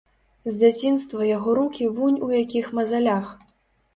З дзяцінства яго рукі вунь у якіх мазалях.